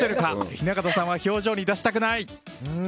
雛形さんは表情に出したくない！